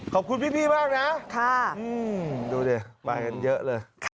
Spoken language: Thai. ขอบคุณพี่มากนะดูดิมากันเยอะเลย